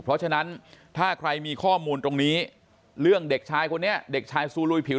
เพราะฉะนั้นถ้าใครมีข้อมูลตรงนี้เรื่องเด็กชายคนนี้เด็กชายซูลุยผิว